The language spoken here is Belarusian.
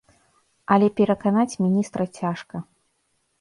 Але пераканаць міністра цяжка.